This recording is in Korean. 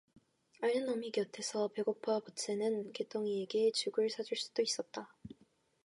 앓는 어미 곁에서 배고파 보채는 개똥이에게 죽을 사줄 수도 있다